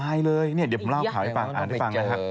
ตายเลยเดี๋ยวผมเล่าขาวให้ฟังอย่างน้อยก็ต้องไปเจอ